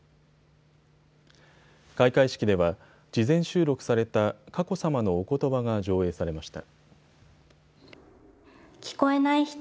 開会式では事前収録された佳子さまのおことばが上映されました。